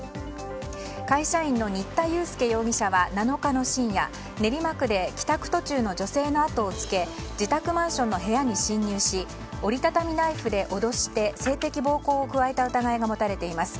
会社員の新田祐介容疑者は７日の深夜練馬区で帰宅途中の女性の後をつけ自宅マンションの部屋に侵入し折り畳みナイフで脅して性的暴行を加えた疑いが持たれています。